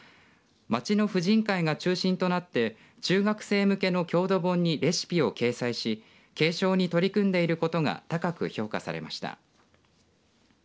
町の婦人会が中心となって中学生向けの郷土本にレシピを掲載し継承に取り組んでいることが高く評価されました。